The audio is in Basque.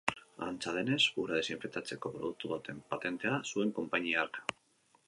Antza denez, ura desinfektatzeko produktu baten patentea zuen konpainia hark.